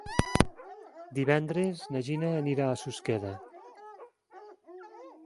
Divendres na Gina anirà a Susqueda.